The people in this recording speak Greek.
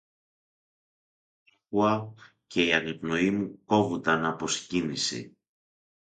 Άκουα, και η αναπνοή μου κόβουνταν από συγκίνηση.